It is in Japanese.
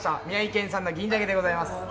宮城県産の銀鮭でございます。